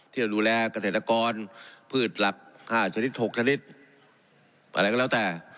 ที่จะดูแลกระเทศนกรพืชหลักห้าชนิดหกชนิดอะไรก็แล้วแต่